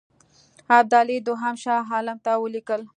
ابدالي دوهم شاه عالم ته ولیکل.